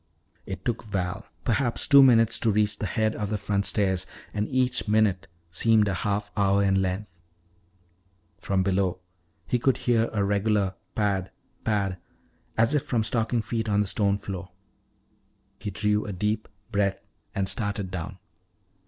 It took Val perhaps two minutes to reach the head of the front stairs, and each minute seemed a half hour in length. From below he could hear a regular pad, pad, as if from stocking feet on the stone floor. He drew a deep breath and started down.